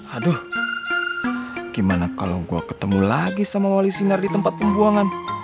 aduh gimana kalau gue ketemu lagi sama wali sinar di tempat pembuangan